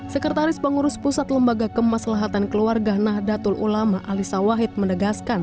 sekretaris pengurus pusat lembaga kemaslahatan keluarga nahdlatul ulama alisa wahid menegaskan